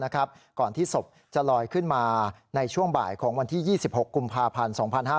ก่อนที่ศพจะลอยขึ้นมาในช่วงบ่ายของวันที่๒๖กุมภาพันธ์๒๕๕๙